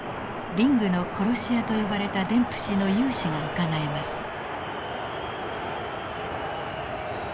「リングの殺し屋」と呼ばれたデンプシーの勇姿がうかがえます。